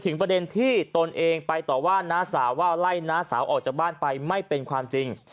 ประเด็นที่ตนเองไปต่อว่าน้าสาวว่าไล่น้าสาวออกจากบ้านไปไม่เป็นความจริง